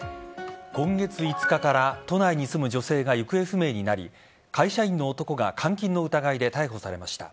今月５日から都内に住む女性が行方不明になり会社員の男が監禁の疑いで逮捕されました。